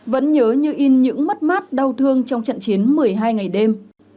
vẫn nhớ như in những mất mát đau thương trong trận chiến một mươi hai ngày đêm